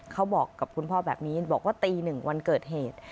เขาบอกกับคุณพ่อแบบนี้บอกว่าตีหนึ่งวันเกิดเหตุ